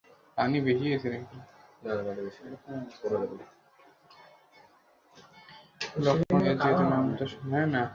লখনও এর যেহেতু নাম তো শুনবেই।